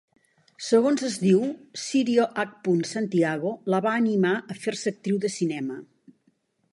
Segons es diu, Cirio H. Santiago la va animar a fer-se actriu de cinema.